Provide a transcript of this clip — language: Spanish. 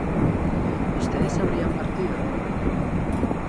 ¿ustedes habrían partido?